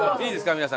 皆さん。